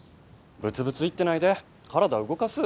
ブツブツ言ってないで体動かす。